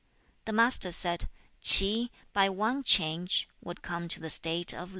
The Master said, 'Ch'i, by one change, would come to the State of Lu.